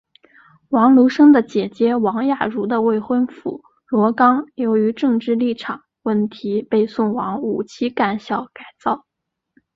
王沪生的姐姐王亚茹的未婚夫罗冈由于政治立场问题被送往五七干校改造。